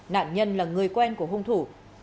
nạn nhân là người quen của hung thủ